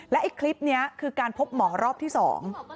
และอีกคลิปนี้คือการพบหมออีกรอบที่สอง